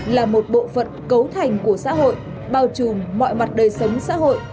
là một bộ phận cấu thành của xã hội bao trùm mọi mặt đời sống xã hội